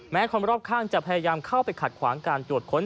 คนรอบข้างจะพยายามเข้าไปขัดขวางการตรวจค้น